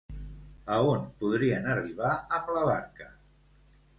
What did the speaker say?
A on podrien arribar amb la barca?